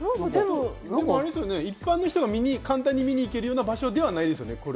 一般の方が簡単に見に行ける場所とかではないですよね。